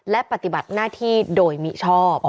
และปฏิบัติหน้าที่โดยมิชอบ